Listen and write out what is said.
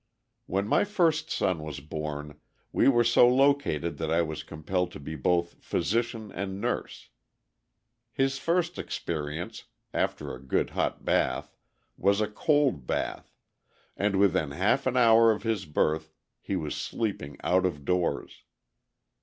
When my first son was born, we were so located that I was compelled to be both physician and nurse. His first experience after a good hot bath was a cold bath, and within half an hour of his birth he was sleeping out of doors.